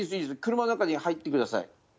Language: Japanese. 車の中に入ってください。